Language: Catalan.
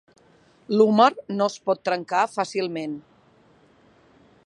L'húmer no es pot trencar fàcilment.